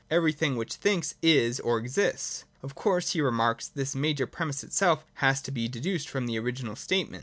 (Everything which thinks, is or exists.) Of course, he remarks, this major premiss itself has to be deduced from the original statement.